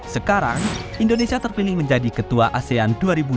sekarang indonesia terpilih menjadi ketua asean dua ribu dua puluh